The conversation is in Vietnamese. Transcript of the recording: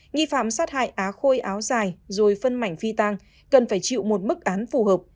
nghi phạm sát hại á khôi áo dài rồi phân mảnh phi tang cần phải chịu một mức án phù hợp